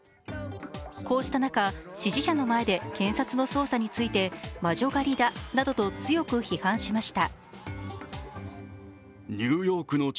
こうした中、支持者の前で検察の捜査について魔女狩りだなどと強く批判しました。